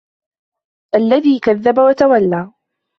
الَّذِي كَذَّبَ وَتَوَلَّى